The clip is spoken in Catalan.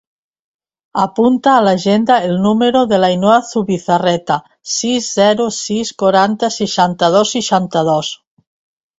Apunta a l'agenda el número de l'Ainhoa Zubizarreta: sis, zero, sis, quaranta, seixanta-dos, seixanta-dos.